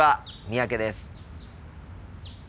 三宅です。